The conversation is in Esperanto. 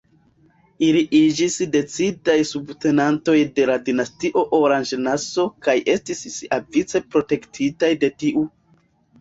Ili iĝis decidaj subtenantoj de la dinastio Oranje-Nassau kaj estis siavice protektitaj de tiu.